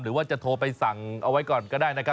หรือว่าจะโทรไปสั่งเอาไว้ก่อนก็ได้นะครับ